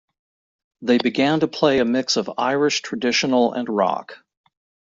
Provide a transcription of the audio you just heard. They began to play a mix of Irish traditional and rock.